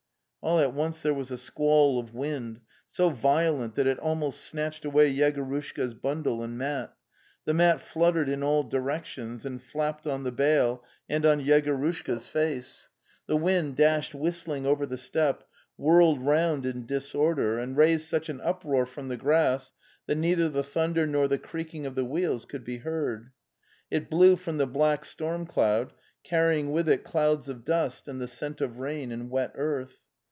All at once there was a squall of wind, so violent that it almost snatched away Yegorushka's bundle and mat; the mat fluttered in all directions and flapped on the bale and on Yegorushka's face. The wind dashed whistling over the steppe, whirled round in disorder and raised such an uproar from the grass that neither the thunder nor the creaking of the wheels could be heard; it blew from the black storm cloud, carrying with it clouds of dust and the scent of rain and wet earth.